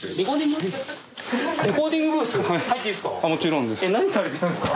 もちろんです。